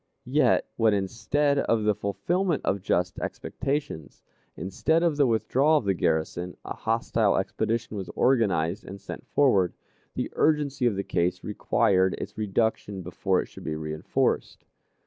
Yet, when instead of the fulfillment of just expectations, instead of the withdrawal of the garrison, a hostile expedition was organized and sent forward, the urgency of the case required its reduction before it should be reënforced.